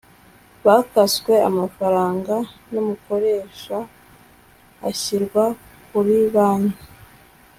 bakaswe amafaranga n Umukoresha ashyirwa kuri banki